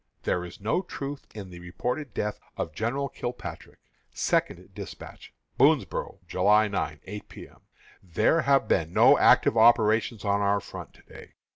"There is no truth in the reported death of General Kilpatrick." (SECOND DESPATCH.) "Boonsboro', July 9, 8 P. M. There have been no active operations on our front to day.